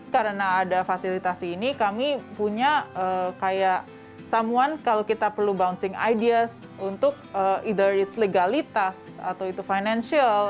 karena ada fasilitasi ini kami punya kayak someone kalau kita perlu bouncing ideas untuk either it's legalitas atau itu financial